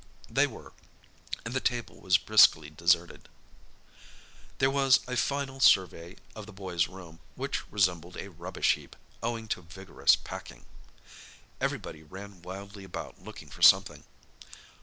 They were, and the table was briskly deserted. There was a final survey of the boys' room, which resembled a rubbish heap, owing to vigorous packing. Everybody ran wildly about looking for something.